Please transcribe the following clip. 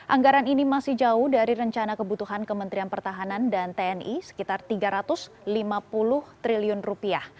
anggaran ini masih jauh dari rencana kebutuhan kementerian pertahanan dan tni sekitar tiga ratus lima puluh triliun rupiah